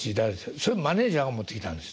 それマネージャーが持ってきたんですね？